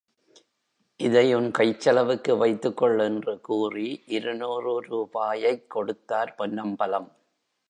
இதை உன் கைச்செலவுக்கு வைத்துக் கொள் என்று கூறி இருநூறு ரூபாயைக் கொடுத்தார் பொன்னம்பலம்.